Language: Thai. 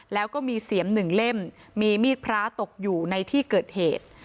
แล้วก็มีเสียมหนึ่งเล่มมีมีดพระตกอยู่ในที่เกิดเหตุ